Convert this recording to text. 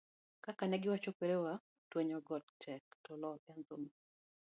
kaka ne giwacho kwarewa, twenyo got tek to lor en thum